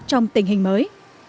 trong tình hình mới